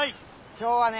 今日はね